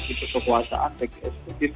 itu kekuasaan pek eksklusif